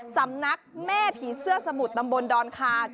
สำนักแม่ผีเสื้อสมุทรตำบลดอนคา